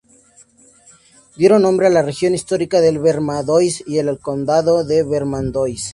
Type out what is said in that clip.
Dieron nombre a la región histórica del Vermandois y al condado de Vermandois.